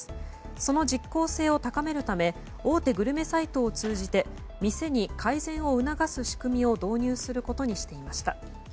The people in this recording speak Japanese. その実効性を高めるため大手グルメサイトを通じて店に改善を促す仕組みを導入することにしていました。